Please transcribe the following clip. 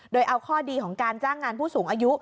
โดยเอาข้อดีของการจ้างงานผู้สูงอายุ